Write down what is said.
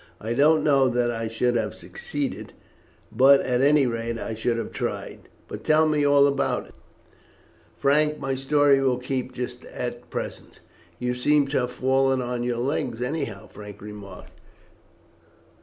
I don't know that I should have succeeded, but at any rate I should have tried. But tell me all about it, Frank; my story will keep just at present." "You seem to have fallen on your legs, anyhow," Frank remarked.